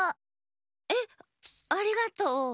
えっありがとう。